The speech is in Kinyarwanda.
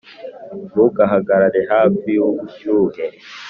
ntugahagarare hafi yubushyuhe